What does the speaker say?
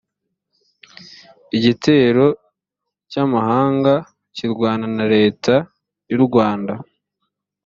igitero cy’amahanga kirwana na leta y’u rwanda